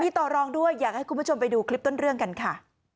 มีต่อรองด้วยอยากให้คุณผู้ชมไปดูคลิปต้นเรื่องกันค่ะ